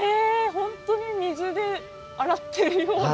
本当に水で洗ってるような。